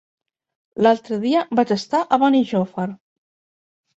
L'altre dia vaig estar a Benijòfar.